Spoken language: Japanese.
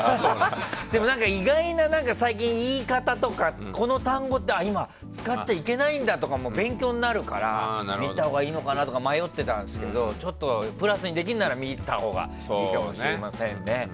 でも、最近、意外な言い方とか今、使っちゃいけないんだとかも勉強になるから見たほうがいいのかなとか迷ってたんですけどプラスにできるなら見たほうがいいかもしれませんね。